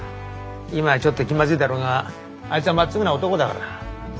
今はちょっと気まずいだろうがあいつはまっすぐな男だから。